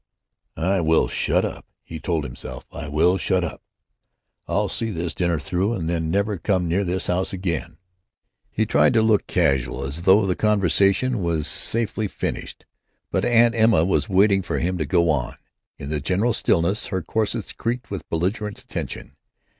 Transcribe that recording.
"I will shut up!" he told himself. "I will shut up. I'll see this dinner through, and then never come near this house again." He tried to look casual, as though the conversation was safely finished. But Aunt Emma was waiting for him to go on. In the general stillness her corsets creaked with belligerent attention.